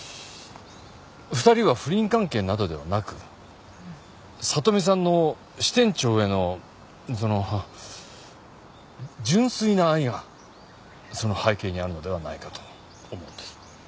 ２人は不倫関係などではなくさとみさんの支店長へのその純粋な愛がその背景にあるのではないかと思うんです。